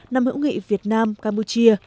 năm hữu nghị việt nam campuchia